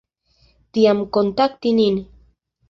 Tiam kontakti nin.